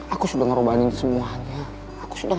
aku sudah ngerobanin semuanya aku sudah